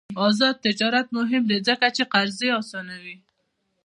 آزاد تجارت مهم دی ځکه چې قرضې اسانوي.